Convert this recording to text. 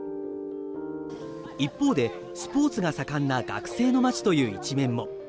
一方で、スポーツが盛んな学生の街という一面も。